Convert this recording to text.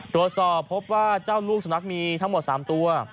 ตรวจสอบพบว่าเจ้าลูกสุนัขมีทั้งหมด๓ตัว